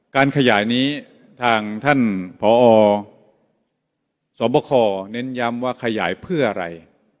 การขยายนี้ทางท่านผอสบคเน้นย้ำว่าขยายเพื่ออะไร